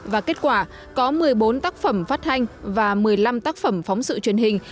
và kết quả có một mươi bốn tác phẩm phát hành và một mươi năm tác phẩm phóng sự truyền hình